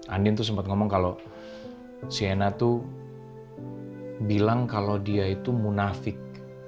andin tuh sempet ngomong kalau sienna tuh bilang kalau dia itu munafik